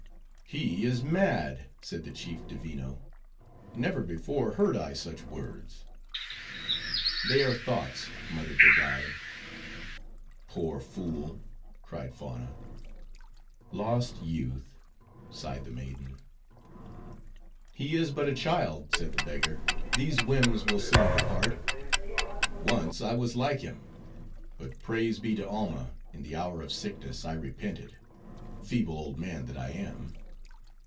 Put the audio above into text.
"He is mad," said the chief Divino; "never before heard I such words." "They are thoughts," muttered the guide. "Poor fool!" cried Fauna. "Lost youth!" sighed the maiden. "He is but a child," said the beggar. These whims will soon depart; once I was like him; but, praise be to Alma, in the hour of sickness I repented, feeble old man that I am!"